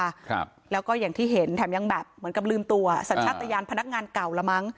ครับแล้วก็อย่างที่เห็นแถมยังแบบเหมือนกับลืมตัวสัญชาติยานพนักงานเก่าละมั้ง